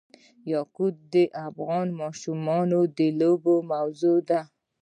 یاقوت د افغان ماشومانو د لوبو موضوع ده.